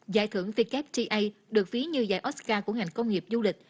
giải thưởng fikefta được phí như giải oscar của ngành công nghiệp du lịch